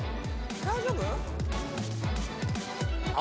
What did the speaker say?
大丈夫？